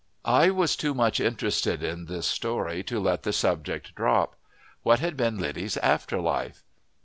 I was too much interested in this story to let the subject drop. What had been Liddy's after life?